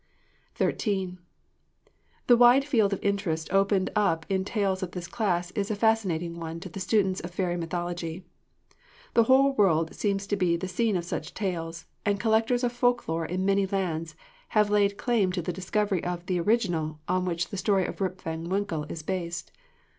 XIII. The wide field of interest opened up in tales of this class is a fascinating one to the students of fairy mythology. The whole world seems to be the scene of such tales, and collectors of folk lore in many lands have laid claim to the discovery of 'the original' on which the story of Rip van Winkle is based.